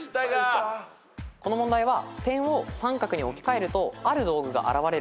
この問題は点を三角に置き換えるとある道具が現れる。